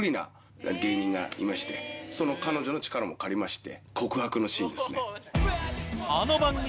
その彼女の力も借りまして。